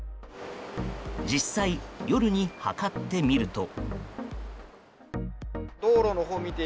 実際、夜に測ってみると。